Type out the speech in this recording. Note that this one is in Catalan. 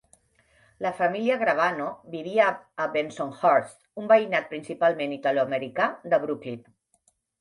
La família Gravano vivia a Bensonhurst, un veïnat principalment italoamericà de Brooklyn.